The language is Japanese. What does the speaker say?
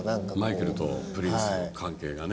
マイケルとプリンスの関係がね。